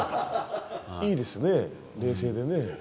いいですね冷静でね。